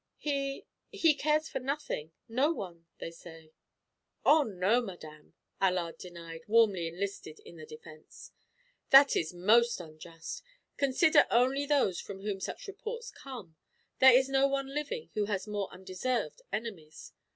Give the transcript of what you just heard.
"He, he cares for nothing, no one, they say." "Oh, no, madame," Allard denied, warmly enlisted in the defense. "That is most unjust. Consider only those from whom such reports come; there is no one living who has more undeserved enemies.